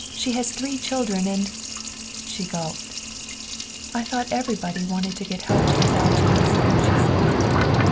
She has three children, and " She gulped. "I thought everybody wanted to get help to the Belgians," she said.